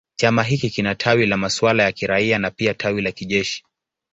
Chama hiki kina tawi la masuala ya kiraia na pia tawi la kijeshi.